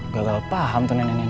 gagal paham tuh nenek nenek